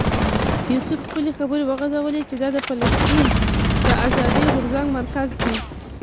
یوسف خپلې خبرې وغځولې چې دا د فلسطین د آزادۍ غورځنګ مرکز دی.